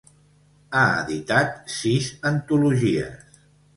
Ha editat sis antologies.